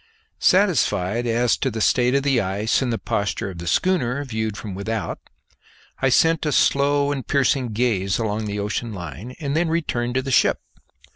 Satisfied as to the state of the ice and the posture of the schooner, viewed from without, I sent a slow and piercing gaze along the ocean line, and then returned to the ship.